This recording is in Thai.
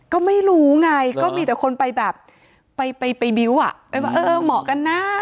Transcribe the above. ก็ไม่รู้ไงก็มีแต่คนไปแบบไปบิ้วอ่ะไปว่าเออเหมาะกันนะ